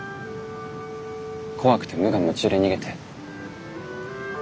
怖くて無我夢中で逃げて。